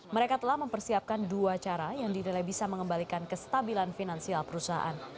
mereka telah mempersiapkan dua cara yang didelai bisa mengembalikan kestabilan finansial perusahaan